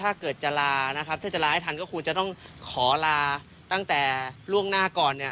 ถ้าจะลาให้ทันก็ควรจะต้องขอลาตั้งแต่ล่วงหน้าก่อนเนี่ย